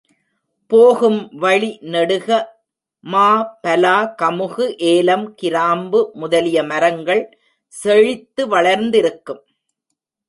போகும் வழி நெடுக மா, பலா, கமுகு, ஏலம், கிராம்பு முதலிய மரங்கள் செழித்து வளர்ந்திருக்கும்.